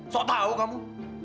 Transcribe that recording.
sok tau kamu